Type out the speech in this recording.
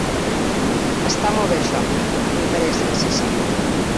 Està molt bé això, m'interessa si si.